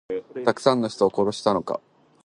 たくさんの人を殺したのか。